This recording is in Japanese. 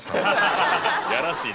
やらしいな。